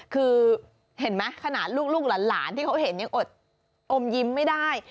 คือเห็นไหมขนาดลูกหลานที่เขาเห็นยังอดอมยิ้มไม่ได้